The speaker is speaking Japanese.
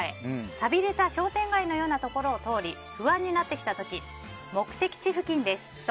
寂れた商店街のようなところを通り不安になってきた時目的地付近ですと。